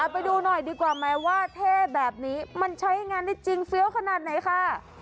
ไปดูหน่อยดีกว่าไหมว่าเท่แบบนี้มันใช้งานได้จริงเฟี้ยวขนาดไหนค่ะ